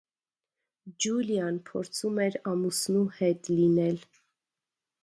Ջուլիան փորձում էր ամուսնու հետ լինել։